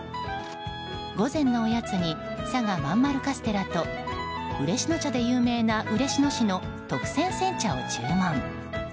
午前のおやつに佐賀まんまるカステラと嬉野茶で有名な嬉野市の特選煎茶を注文。